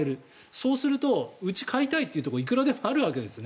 そうするとうち買いたいというところはいくらでもあるわけです。